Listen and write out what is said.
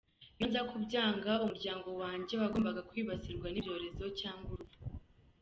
Iyo nza kubyanga, umuryango wanjye wagombaga kwibasirwa n’ibyorezo cyangwa urupfu.